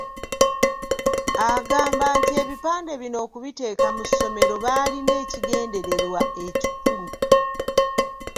Agamba nti ebipande bino okubiteeka mu ssomero baalina ekigendererwa ekikulu.